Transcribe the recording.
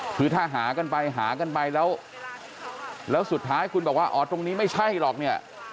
คือถ้าหากันไปหากันไปแล้วแล้วสุดท้ายคุณบอกว่าอ๋อตรงนี้ไม่ใช่หรอกเนี่ย